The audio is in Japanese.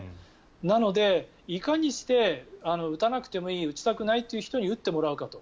なのでいかにして打たなくてもいい打ちたくない人に打ってもらうかと。